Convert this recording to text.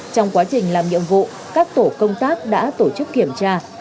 trong quá trình làm nhiệm vụ các tổ công tác đã tổ chức kiểm tra